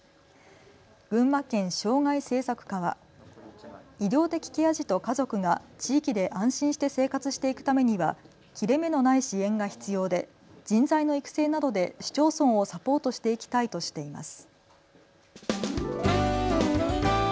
群馬県障害政策課は医療的ケア児と家族が地域で安心して生活していくためには切れ目のない支援が必要で人材の育成などで市町村をサポートしていきたいとしています。